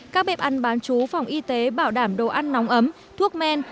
các bếp ăn bán chú phòng y tế bảo đảm đồ ăn nóng ấm thuốc men